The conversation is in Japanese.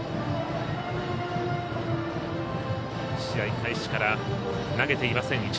試合開始から投げていません。